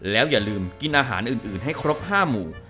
แล้วอย่าลืมกินอาหารอื่นให้ครบ๕หมู่